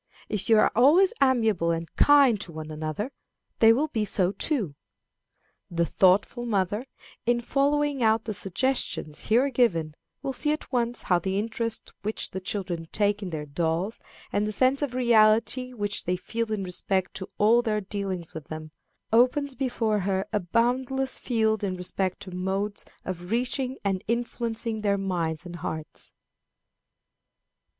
If you are always amiable and kind to one another, they will be so too." The thoughtful mother, in following out the suggestions here given, will see at once how the interest which the children take in their dolls, and the sense of reality which they feel in respect to all their dealings with them, opens before her a boundless field in respect to modes of reaching and influencing their minds and hearts.